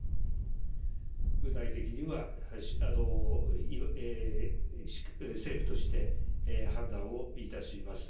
具体的には、政府として判断をいたします。